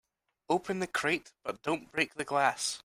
Open the crate but don't break the glass.